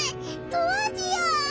どうしよう！